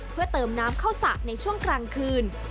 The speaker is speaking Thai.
เพื่อเติมน้ำเข้าสระในช่วงกลางคืน